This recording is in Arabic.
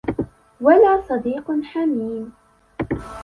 ولا صديق حميم